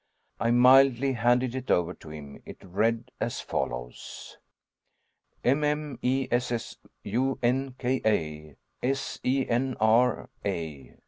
I mildly handed it over to him. It read as follows: mmessunkaSenrA.